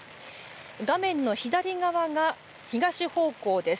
画面の左側が東方向です。